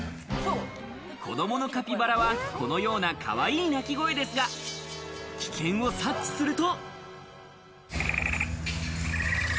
子供のカピバラはこのような、かわいい鳴き声ですが、危険を察知すると。